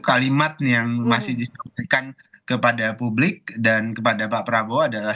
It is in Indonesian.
kalimat yang masih disampaikan kepada publik dan kepada pak prabowo adalah